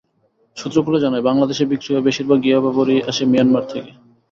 সূত্রগুলো জানায়, বাংলাদেশে বিক্রি হওয়া বেশির ভাগ ইয়াবা বড়িই আসে মিয়ানমার থেকে।